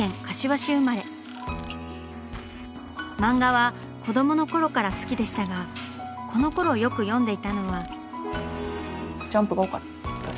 漫画は子供のころから好きでしたがこのころよく読んでいたのは。